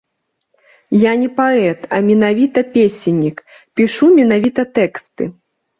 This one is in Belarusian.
Я не паэт, а менавіта песеннік, пішу менавіта тэксты.